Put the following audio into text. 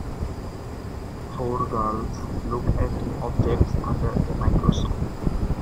Four girls look at objects under a microscope.